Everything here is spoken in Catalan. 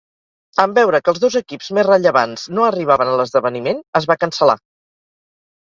En veure que els dos equips més rellevants no arribaven a l'esdeveniment, es va cancel·lar.